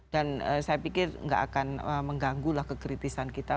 dan saya pikir nggak akan mengganggu lah kekritisan kita